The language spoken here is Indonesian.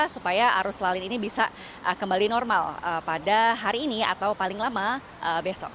supaya arus lalin ini bisa kembali normal pada hari ini atau paling lama besok